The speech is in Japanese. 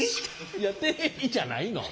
いや「テレビ！？」じゃないの。